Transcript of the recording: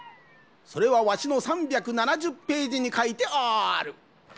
それはわしの３７０ページにかいてある。